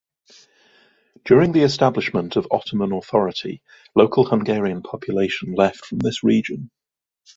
During the establishment of Ottoman authority, local Hungarian population left from this region.